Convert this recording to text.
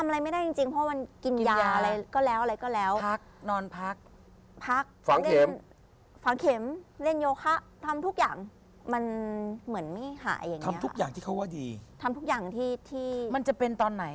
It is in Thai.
เหมือนไม่หาอย่างนี้ค่ะทำทุกอย่างที่เขาว่าดีทำทุกอย่างที่ที่มันจะเป็นตอนไหน